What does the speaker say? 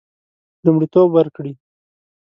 لومړیتوب ورکړي.